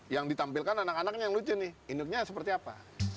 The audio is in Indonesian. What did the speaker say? yang ditampilkan anak anaknya yang lucu nih induknya seperti apa